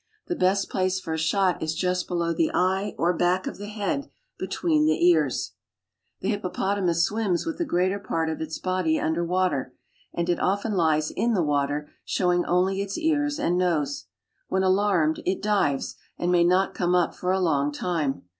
I'The best place for a shot is just beiow the eye or back of ] f the head between the ears. Hippo po' The hippopotamus swims with the greater part of its j idy under water, and it often lies in the water, showing oly its ears and nose. When alarmed, it dives, and may «ot come up for a long time.